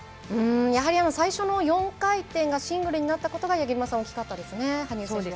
やはり最初の４回転がシングルになったことが八木沼さん大きかったですね。